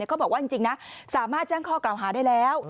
เขาบอกว่าจริงนะสามารถแจ้งข้อกล่าวหาได้แล้ว